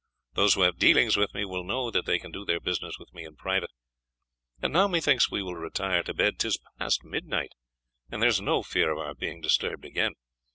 Those who have dealings with me will know that they can do their business with me in private. And now methinks we will retire to bed; 'tis past midnight, and there is no fear of our being disturbed again.